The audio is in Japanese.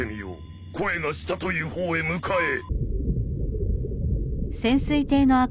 声がしたという方へ向かえ。